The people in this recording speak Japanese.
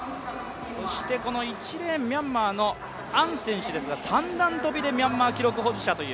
１レーン、ミャンマーのアン選手ですが、三段跳びでミャンマー記録保持者。